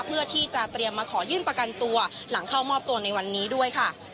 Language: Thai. เพื่อที่จะเตรียมมาขอยื่นประกันตัวหลังเข้ามอบตัวในวันนี้ด้วยค่ะ